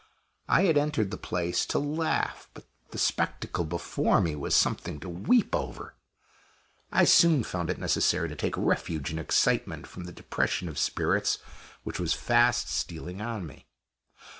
I had entered the place to laugh, but the spectacle before me was something to weep over. I soon found it necessary to take refuge in excitement from the depression of spirits which was fast stealing on me.